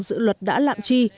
dự luật đã lạm chi